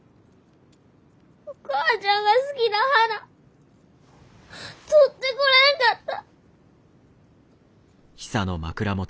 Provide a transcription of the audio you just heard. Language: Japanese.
お母ちゃんが好きな花採ってこれんかった！